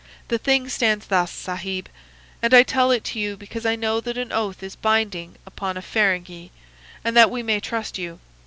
The thing stands thus, Sahib, and I tell it to you because I know that an oath is binding upon a Feringhee, and that we may trust you.